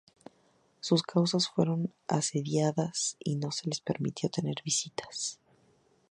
Sus casas fueron asediadas y no se les permitió tener visitas.